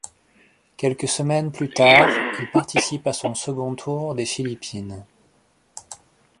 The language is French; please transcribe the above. Quelques semaines plus tard, il participe à son second Tour des Philippines.